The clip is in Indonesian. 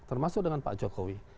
termasuk dengan pak jokowi